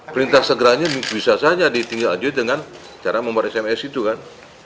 perintah segeranya bisa saja ditinggal aja dengan cara membuat sms itu kan